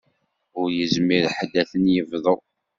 Ur yezmir ḥedd ad ten-yebḍu.